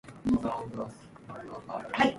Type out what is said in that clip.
He lost nearly half of his men in that battle.